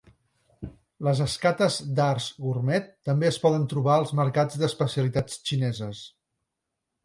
Les escates d'arç gurmet també es poden trobar als mercats d'especialitats xineses.